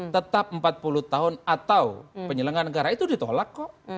tetap empat puluh tahun atau penyelenggara negara itu ditolak kok